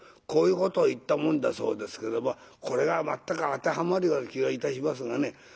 こういうことを言ったもんだそうですけどこれが全く当てはまるような気がいたしますがね。